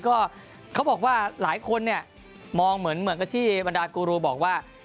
ก็เขาบอกว่าหลายคนเนี่ยมองเหมือนกับที่บรรดากูรูบอกว่า